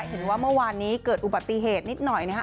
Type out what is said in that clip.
เห็นว่าเมื่อวานนี้เกิดอุบัติเหตุนิดหน่อยนะคะ